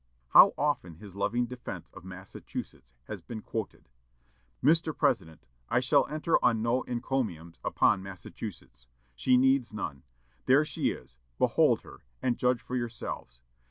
How often his loving defence of Massachusetts has been quoted! "Mr. President, I shall enter on no encomiums upon Massachusetts. She needs none. There she is behold her, and judge for yourselves.